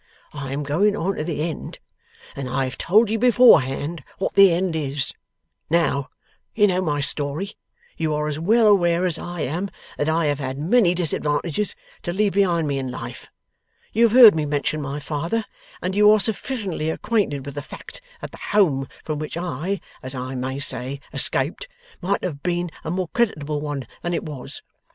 I am going on to the end, and I have told you beforehand what the end is. Now, you know my story. You are as well aware as I am, that I have had many disadvantages to leave behind me in life. You have heard me mention my father, and you are sufficiently acquainted with the fact that the home from which I, as I may say, escaped, might have been a more creditable one than it was.